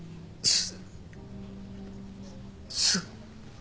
す。